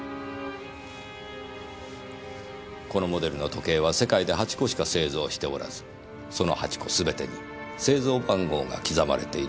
このモデルの時計は世界で８個しか製造しておらずその８個すべてに製造番号が刻まれているとか。